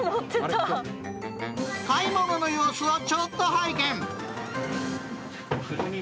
買い物の様子をちょっと拝見。